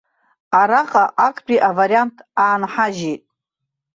Араҟа актәи авариант аанҳажьит.